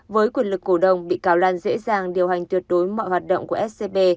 với quyền lực cổ đông bị cáo lan dễ dàng điều hành tuyệt đối mọi hoạt động của scb